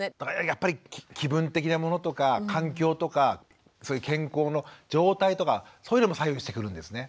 やっぱり気分的なものとか環境とかそういう健康の状態とかそういうのも左右してくるんですね。